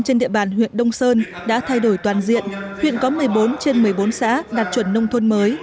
trên địa bàn huyện đông sơn đã thay đổi toàn diện huyện có một mươi bốn trên một mươi bốn xã đạt chuẩn nông thôn mới